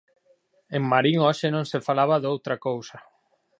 En Marín hoxe non se falaba doutra cousa.